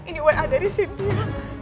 ini wa dari sintia